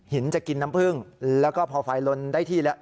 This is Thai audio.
จะกินน้ำผึ้งแล้วก็พอไฟลนได้ที่แล้ว